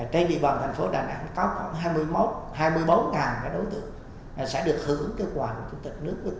trên địa bàn thành phố đà nẵng có khoảng hai mươi bốn đối tượng sẽ được hưởng cho quà của chủ tịch nước